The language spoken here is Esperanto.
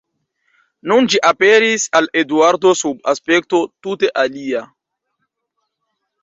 Nun ĝi aperis al Eduardo sub aspekto tute alia.